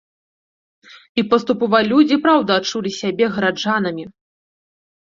І паступова людзі і праўда адчулі сябе гараджанамі!